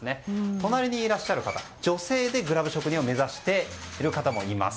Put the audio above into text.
隣にいらっしゃる方は女性でグラブ職人を目指しています。